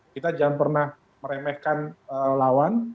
kita jangan pernah meremehkan lawan